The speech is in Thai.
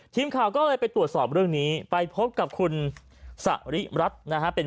ทีมข่าวก็เลยไปตรวจสอบเรื่องนี้ไปพบกับคุณสริรัตน์นะฮะ